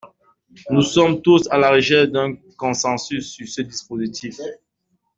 Nous sommes tous à la recherche d’un consensus sur ce dispositif.